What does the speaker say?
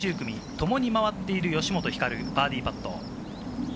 最終組、ともに回っている吉本ひかる、バーディーパット。